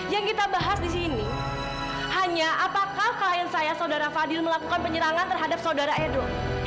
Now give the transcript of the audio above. yang kita bahas di sini hanya apakah klien saya saudara fadil melakukan penyerangan terhadap saudara edo